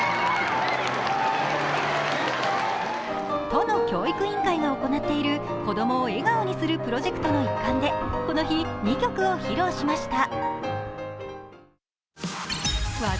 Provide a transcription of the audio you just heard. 都の教育委員会が行っている子供を笑顔にするプロジェクトの一環でこの日、２曲を披露しました。